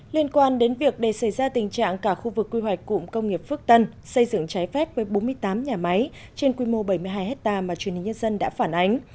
liên quan đến việc để xảy ra tình trạng cả khu vực quy hoạch cụm công nghiệp phước tân xây dựng trái phép với bốn mươi tám nhà máy trên quy mô bảy mươi hai hectare mà truyền hình nhân dân đã phản ánh